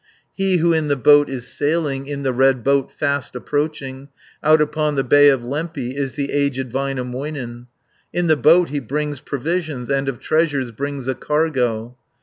"He who in the boat is sailing, In the red boat fast approaching, Out upon the Bay of Lempi, Is the aged Väinämöinen. In the boat he brings provisions, And of treasures brings a cargo.